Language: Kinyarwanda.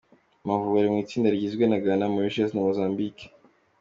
Amavubi ari mu itsinda H rigizwe na Ghana , Mauritius na Mozambique.